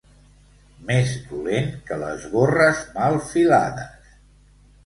Més dolent que les borres mal filades.